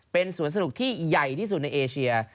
เป็นสวนสนุกที่ใหญ่ที่สุดในเอเชีย